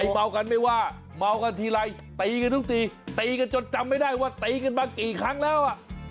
เมากันไม่ว่าเมากันทีไรตีกันทุกตีตีกันจนจำไม่ได้ว่าตีกันมากี่ครั้งแล้วอ่ะ